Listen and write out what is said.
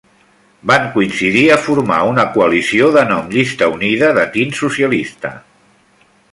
Van coincidir a formar una coalició de nom Llista Unida, de tint socialista.